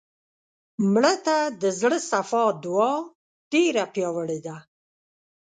مړه ته د زړه صفا دعا ډېره پیاوړې ده